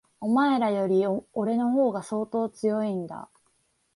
お前らより、俺の方が相当強いんだ。